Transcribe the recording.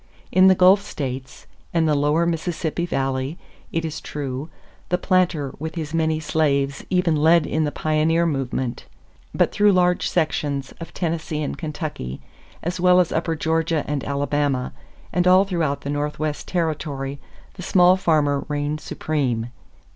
In the Gulf states and the lower Mississippi Valley, it is true, the planter with his many slaves even led in the pioneer movement; but through large sections of Tennessee and Kentucky, as well as upper Georgia and Alabama, and all throughout the Northwest territory the small farmer reigned supreme.